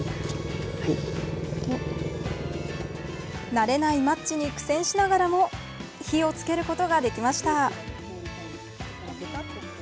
慣れないマッチに苦戦しながらも火をつけることができました。